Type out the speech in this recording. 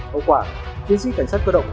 hậu quả tiến sĩ cảnh sát cơ động